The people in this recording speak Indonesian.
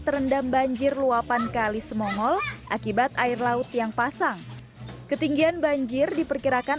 terendam banjir luapan kali semongol akibat air laut yang pasang ketinggian banjir diperkirakan